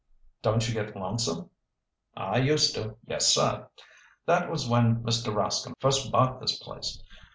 "Don't you get lonesome?" "I used to, yes, sir. That was when Mr. Rascomb first bought this place.